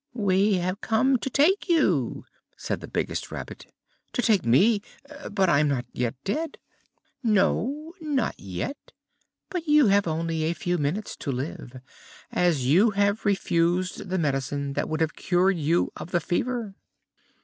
"We have come to take you," said the biggest rabbit. "To take me? But I am not yet dead!" "No, not yet? but you have only a few minutes to live, as you have refused the medicine that would have cured you of the fever."